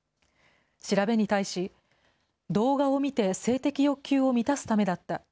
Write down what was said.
調べに対し、動画を見て性的欲求を満たすためだった。